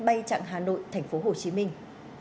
bay chặng hà nội tp hồ chí minh